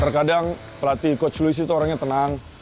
terkadang pelatih coach louis itu orangnya tenang